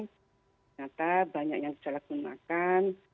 ternyata banyak yang disalahgunakan